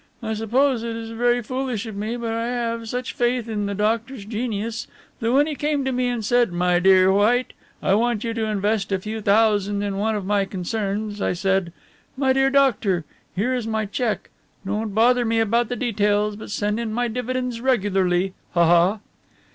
"I suppose it is very foolish of me, but I have such faith in the doctor's genius that when he came to me and said: 'My dear White, I want you to invest a few thousand in one of my concerns,' I said: 'My dear doctor, here is my cheque, don't bother me about the details but send in my dividends regularly.' Ha! ha!"